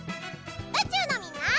うちゅうのみんな。